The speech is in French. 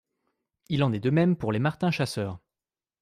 Il en est de même pour les martins chasseurs.